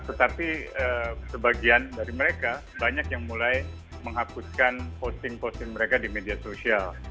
tetapi sebagian dari mereka banyak yang mulai menghapuskan posting posting mereka di media sosial